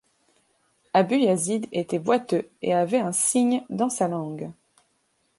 Abu Yazid était boiteux et avait un signe dans sa langue.